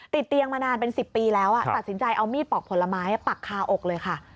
ติดเตียงมานานเป็น๑๐ปีแล้วตัดสินใจเอามีดปอกผลไม้ปักคาอกเลยค่ะ